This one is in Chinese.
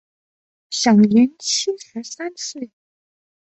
享年七十三岁。